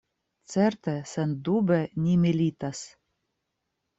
Certe, sendube, ni militas.